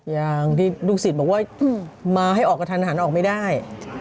อย่างที่ลูกศิษย์บอกว่ามาให้ออกกระทันหันออกไม่ได้